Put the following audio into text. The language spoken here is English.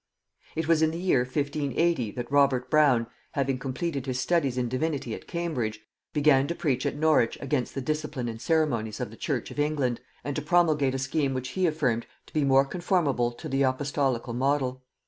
It was in the year 1580 that Robert Brown, having completed his studies in divinity at Cambridge, began to preach at Norwich against the discipline and ceremonies of the church of England, and to promulgate a scheme which he affirmed to be more conformable to the apostolical model.